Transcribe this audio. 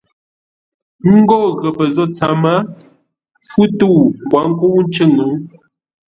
Ńgó ghəpə́ zô tsəm, fú tə̂u ngwǒ nkə̂u ncʉ̂ŋ.